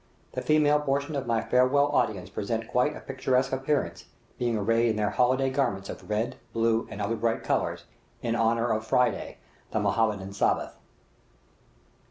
The female portion of my farewell audience present quite a picturesque appearance, being arrayed in their holiday garments of red, blue, and other bright colors, in honor of Friday, the Mohammedan Sabbath.